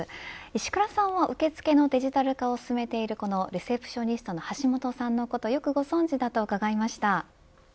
石倉さんは受付のデジタル化を進めているこのＲＥＣＥＰＴＩＯＮＩＳＴの橋本さんをよくご存じだと伺いました。